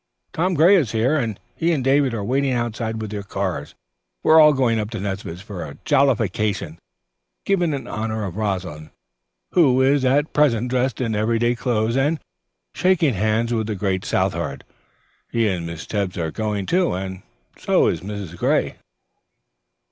"Tom Gray is here. He and David are waiting outside with their cars. We are all going up to Nesbit's for a jollification given in honor of Rosalind, who is at present dressed in everyday clothes and shaking hands with the great Southard. He and Miss Tebbs are going, too, and so is Mrs. Gray."